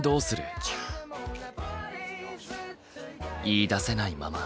言いだせないまま。